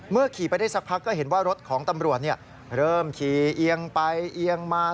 ขี่ไปได้สักพักก็เห็นว่ารถของตำรวจเริ่มขี่เอียงไปเอียงมา